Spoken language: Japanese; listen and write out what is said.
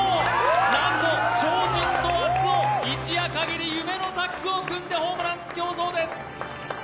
なんと超人、一夜限り、夢のタッグを組んでホームラン競争です。